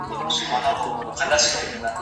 د لويي جرګې پر مهال د ترافیکو جریان څنګه تنظیمیږي؟